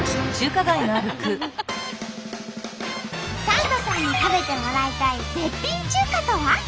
サンドさんに食べてもらいたい絶品中華とは？